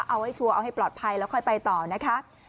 เอาให้ชัวร์เอาให้ปลอดภัยแล้วค่อยไปต่อนะคะ